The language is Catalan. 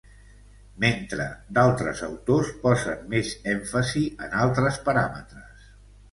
Mentre d'altres autors posen més èmfasi en altres paràmetres.